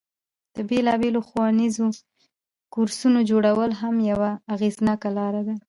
د بیلابیلو ښوونیزو کورسونو جوړول هم یوه اغیزناکه لاره ده.